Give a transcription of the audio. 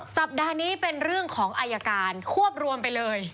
สัปดาห์นี้เป็นเรื่องของอายการควบรวมไปเลย